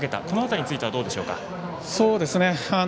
この辺りについてはどうでしょうか？